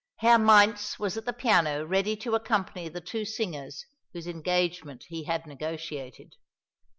Herr Mainz was at the piano ready to accompany the two singers whose engagement he had negotiated.